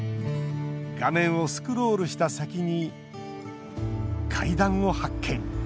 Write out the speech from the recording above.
画面をスクロールした先に階段を発見。